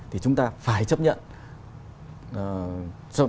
thì chúng ta phải chấp nhận